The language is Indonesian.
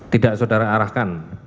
tidak saudara arahkan